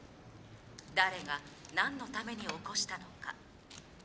誰が何のために起こしたのか。